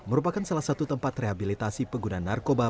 merupakan salah satu tempat rehabilitasi pengguna narkoba